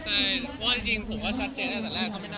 ใช่เพราะว่าจริงผมก็ชัดเจนอ่ะแต่แรกก็ไม่ได้มีแรกตัวเป็นห่วงอ่ะครับ